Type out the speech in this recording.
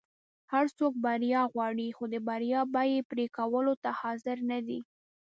هر څوک بریا غواړي خو د بریا بیی پری کولو ته حاضر نه دي.